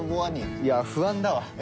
いや不安だわ。